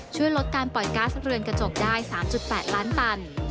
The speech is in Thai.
ช่วยลดการปล่อยก๊าซเรือนกระจกได้๓๘ล้านตัน